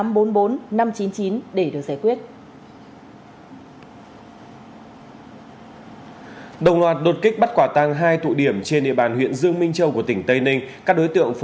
đồng loạt đột kích bắt quả tăng hai tụ điểm trên địa bàn huyện dương minh châu của tỉnh tây ninh